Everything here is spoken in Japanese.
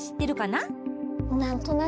なんとなく。